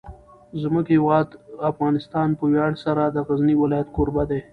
زموږ هیواد افغانستان په ویاړ سره د غزني ولایت کوربه دی.